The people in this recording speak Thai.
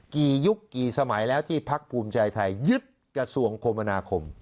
ยุคกี่สมัยแล้วที่พักภูมิใจไทยยึดกระทรวงคมนาคม